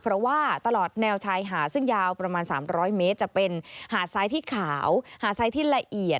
เพราะว่าตลอดแนวชายหาดซึ่งยาวประมาณ๓๐๐เมตรจะเป็นหาดซ้ายที่ขาวหาดซ้ายที่ละเอียด